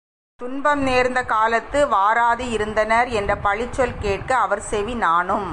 துன்பம் நேர்ந்த காலத்து வாராது இருந்தனர் என்ற பழிச்சொல் கேட்க அவர் செவி நாணும்.